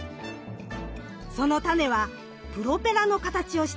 そのタネはプロペラの形をしています。